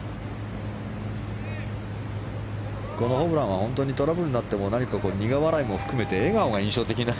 このホブランはトラブルになっても何か苦笑いも含めて笑顔が印象的な。